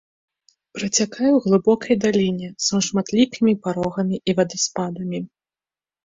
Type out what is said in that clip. Працякае ў глыбокай даліне, са шматлікімі парогамі і вадаспадамі.